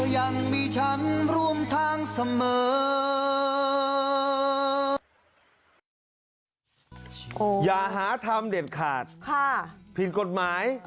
อย่าหาทำเด็ดขาดผิดกฎหมาย